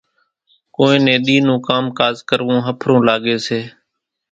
ڪونئين نين ۮِي نون ڪام ڪاز ڪروون ۿڦرون لاڳيَ سي۔